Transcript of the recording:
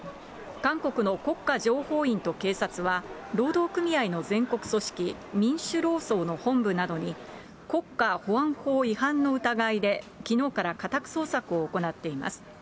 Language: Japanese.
韓国の国家情報院と警察は、労働組合の全国組織、民主労総の本部などに国家保安法違反の疑いできのうから家宅捜索を行っています。